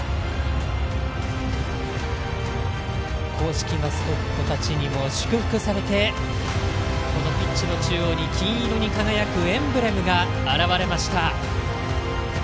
公式マスコットたちにも祝福されてこのピッチの中央に金色に輝くエンブレムが現れました。